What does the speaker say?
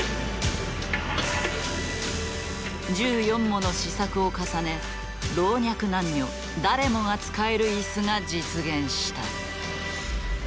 １４もの試作を重ね老若男女誰でも使える椅子が実現した。